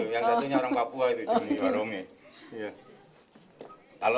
yang satunya orang papua itu